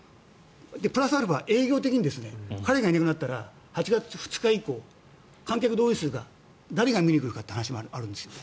プラスアルファ営業的に彼がいなくなったら８月２日以降、観客動員数が誰が見に来るかって話があるんですよ。